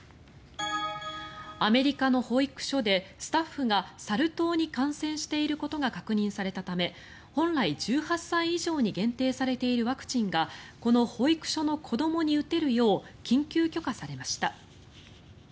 アメリカの保育所で、スタッフがサル痘に感染していることが確認されたため本来１８歳以上に限定されているワクチンがこの保育所の子どもに打てるよう緊急許可されました。